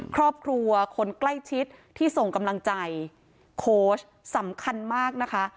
ครอบครัวคนใกล้ชิดที่ส่งกำลังใจโค้ชสำคัญมากนะคะ